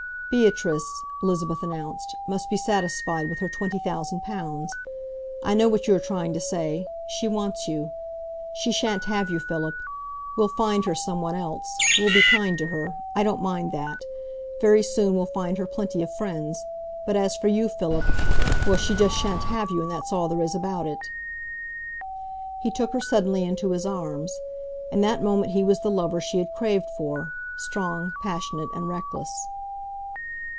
"Beatrice," Elizabeth announced, "must be satisfied with her twenty thousand pounds. I know what you are trying to say she wants you. She shan't have you, Philip! We'll find her some one else. We'll be kind to her I don't mind that. Very soon we'll find her plenty of friends. But as for you, Philip well, she just shan't have you, and that's all there is about it." He took her suddenly into his arms. In that moment he was the lover she had craved for strong, passionate, and reckless.